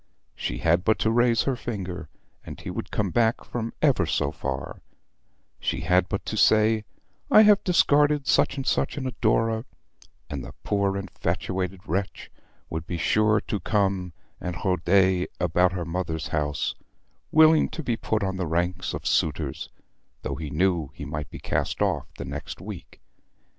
She had but to raise her finger, and he would come back from ever so far; she had but to say I have discarded such and such an adorer, and the poor infatuated wretch would be sure to come and roder about her mother's house, willing to be put on the ranks of suitors, though he knew he might be cast off the next week.